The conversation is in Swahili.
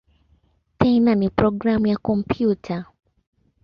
Tena ni programu ya kompyuta.